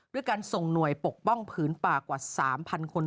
ด้วยการส่งหน่วยปกป้องผืนป่ากว่า๓๐๐คน